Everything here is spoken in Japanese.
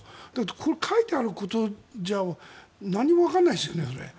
これは書いてあることじゃ何もわからないですよね。